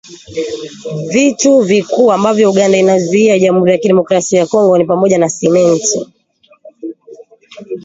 Vitu vikuu ambavyo Uganda inaiuzia Jamhuri ya kidemokrasia ya Kongo ni pamoja na Simenti.